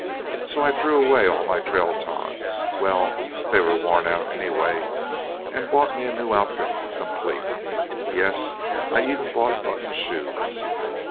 So I threw away all my trail togs well, they were worn out, anyway and bought me a new outfit complete. Yes, I even bought button shoes.